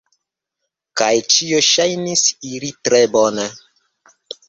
Kaj ĉio ŝajnis iri tre bone.